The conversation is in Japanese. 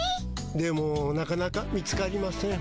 でもなかなか見つかりません。